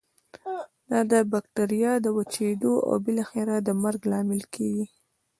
دا د بکټریا د وچیدو او بالاخره مرګ لامل کیږي.